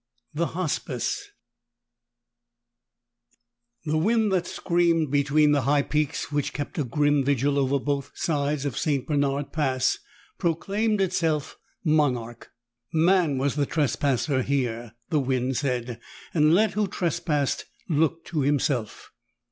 7: THE HOSPICE The wind that screamed between the high peaks which kept a grim vigil over both sides of St. Bernard Pass proclaimed itself monarch. Man was the trespasser here, the wind said, and let who trespassed look to himself.